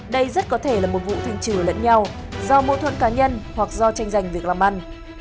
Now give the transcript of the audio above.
đây rất có thể là một vụ thình trừ lẫn nhau do mô thuận cá nhân hoặc do tranh giành việc làm ăn